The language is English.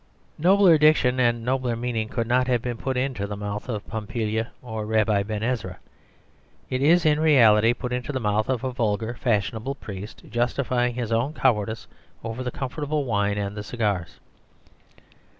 Nobler diction and a nobler meaning could not have been put into the mouth of Pompilia, or Rabbi Ben Ezra. It is in reality put into the mouth of a vulgar, fashionable priest, justifying his own cowardice over the comfortable wine and the cigars.